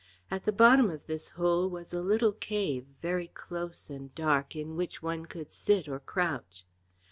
At the bottom of this hole was a little cave, very close and dark, in which one could sit or crouch.